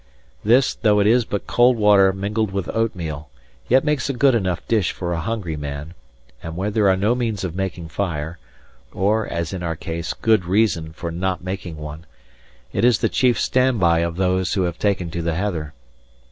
This, though it is but cold water mingled with oatmeal, yet makes a good enough dish for a hungry man; and where there are no means of making fire, or (as in our case) good reason for not making one, it is the chief stand by of those who have taken to the heather.